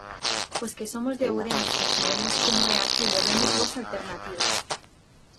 Os que somos de Ourense e sabemos como é aquilo vemos dúas alternativas.